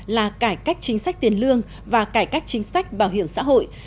là cải cách chính sách tiền lương và cải cách chính sách bảo hiểm xã hội